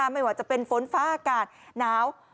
ไม่ว่าจะเป็นฝนฟ้าอากาศหนาว